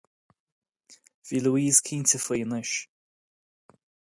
Bhí Louise cinnte faoi anois